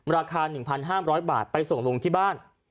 ราคา๑๕๐๐บาทไปส่งลุงที่บ้าน